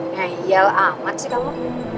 nih yel amat sih kamu